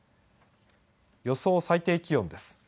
予想最低気温です。